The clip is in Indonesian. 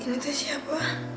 ini tuh siapa